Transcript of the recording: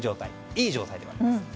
いい状態ではあります。